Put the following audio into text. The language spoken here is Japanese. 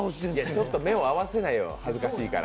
ちょっと目を合わせないように、恥ずかしいから。